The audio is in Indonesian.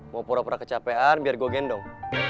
mau pura pura kecapean biar gue gendong